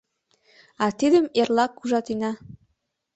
А тидым эрлак ужатена.